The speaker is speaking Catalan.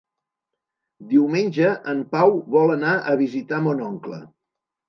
Diumenge en Pau vol anar a visitar mon oncle.